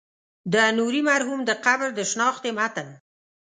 د نوري مرحوم د قبر د شنختې متن.